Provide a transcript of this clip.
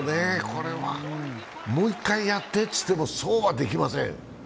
これは、もう一回やってと言ってもそうはできません。